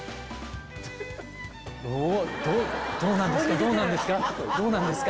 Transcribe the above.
どうなんですか？